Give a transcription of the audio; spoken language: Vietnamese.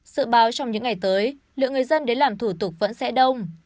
sau đó lượng người dân đến làm thủ tục vẫn sẽ đông